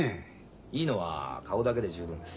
いいのは顔だけで十分です。